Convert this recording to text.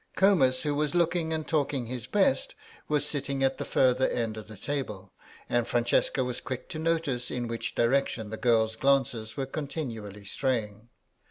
Comus who was looking and talking his best, was sitting at the further end of the table, and Francesca was quick to notice in which direction the girl's glances were continually straying.